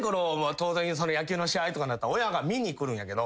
当然野球の試合とかなったら親が見に来るんやけど。